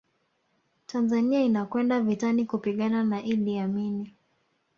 Tanzania inakwenda vitani kupigana na Iddi Amini